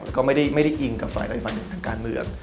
มันมีความเข้มแข็งแล้วก็ไม่ได้อิงกับฝ่ายรายฟันหนึ่งของการเมือง